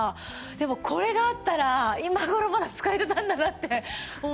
でもこれがあったら今頃まだ使えていたんだなって思いますね。